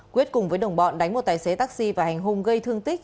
quyết cùng với đồng bọn đánh một tài xế taxi và hành hung gây thương tích